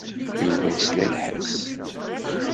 Yuba yesla i lḥess.